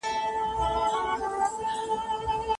تاسي په پښتو کي د املا او انشاء پام کوئ